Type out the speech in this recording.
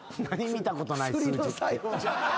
見たことない数字って。